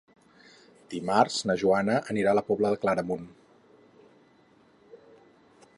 Dimarts na Joana anirà a la Pobla de Claramunt.